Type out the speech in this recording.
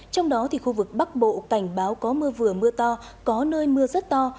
trong đó khu vực bắc bộ cảnh báo có mưa vừa mưa to có nơi mưa rất to